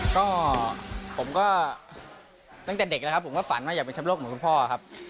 ก็ผมก็ตั้งแต่เด็กแล้วครับผมก็ฝันว่าอยากเป็นแชมป์โลกเหมือนคุณพ่อครับ